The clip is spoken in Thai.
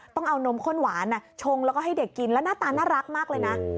ต้องเอานมข้นหวานชงแล้วก็ให้เด็กกินแล้วหน้าตาน่ารักมากเลยนะ